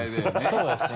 そうですね。